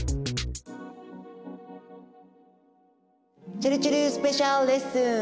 ちぇるちぇるスペシャルレッスン。